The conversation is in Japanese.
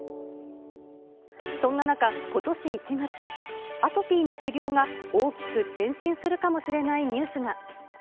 そんな中、ことし１月、アトピーの治療が大きく前進するかもしれないニュースが。